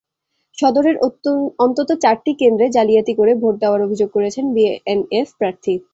সদরের অন্তত চারটি কেন্দ্রে জালিয়াতি করে ভোট দেওয়ার অভিযোগ করেছেন বিএনএফ প্রার্থী।